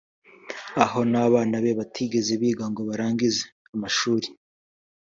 aho n’abana be batigeze biga ngo barangize amashuri